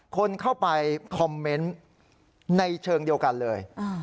คนเข้าไปคอมเมนต์ในเชิงเดียวกันเลย